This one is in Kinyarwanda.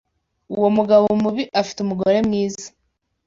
Uwo mugabo mubi afite umugore mwiza.